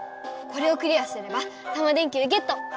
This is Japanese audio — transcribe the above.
これをクリアすればタマ電Ｑゲット！